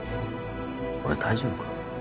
俺大丈夫かな？